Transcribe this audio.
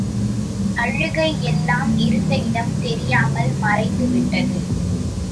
அழுகை எல்லாம் இருந்த இடம் தெரியாமல் மறைந்து விட்டது.